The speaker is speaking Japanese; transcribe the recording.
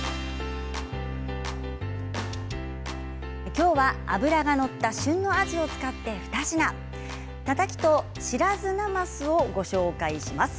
きょうは、脂が乗った旬のアジを使って２品たたきと白酢なますをご紹介します。